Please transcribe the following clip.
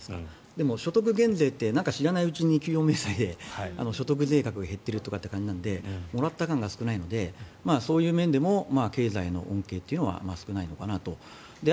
でも所得減税って知らないうちに給与明細から所得税額が減っているということとかでもらった感が少ないのでそういう面でも経済の恩恵は少ないのかなと。